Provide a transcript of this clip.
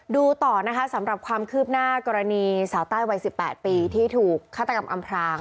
ดูต่อนะคะสำหรับความคืบหน้ากรณีสาวใต้วัย๑๘ปีที่ถูกฆาตกรรมอำพราง